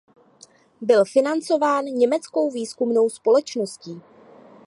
Byl financován Německou výzkumnou společností.